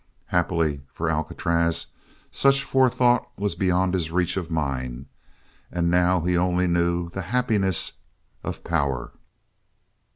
Happily for Alcatraz such forethought was beyond his reach of mind and now he only knew the happiness of power.